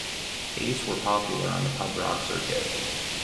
Ace were popular on the pub rock circuit.